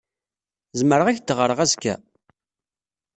Zemreɣ ad ak-d-ɣreɣ azekka?